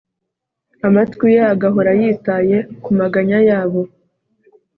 amatwi ye agahora yitaye ku maganya yabo